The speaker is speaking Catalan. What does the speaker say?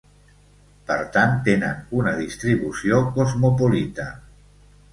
Per tant tenen una distribució cosmopolita.